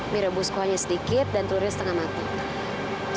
mie rebus kuahnya sedikit dan telurnya setengah matang